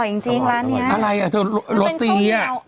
อร่อยจริงร้านนี้อะไรอ่ะโรตีมันเป็นข้าวเหนียว